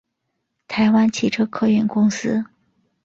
台湾汽车客运公司